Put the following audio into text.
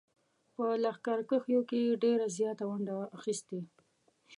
په لښکرکښیو کې یې ډېره زیاته ونډه اخیستې.